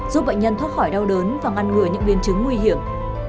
giúp bệnh nhân thoát khỏi đau đớn và ngăn ngừa những biến chứng nguy hiểm